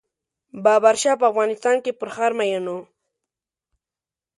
بابر شاه په افغانستان کې پر ښار مین و.